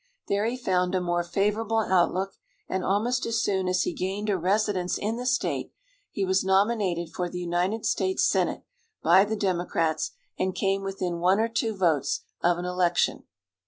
There he found a more favorable outlook, and almost as soon as he gained a residence in the state he was nominated for the United States Senate by the Democrats, and came within one or two votes of an election.